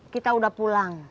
kita udah pulang